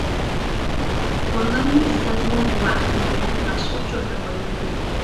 تورلارنى ئىزدەپمۇ بۇ ھەقتە بىرەر ياخشى ئۇچۇر تاپالمىدىم.